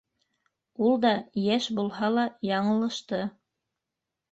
Ул да йәш булһа ла яңылышты.